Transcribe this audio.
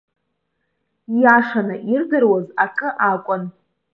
Ииашаны ирдыруаз акы акәын.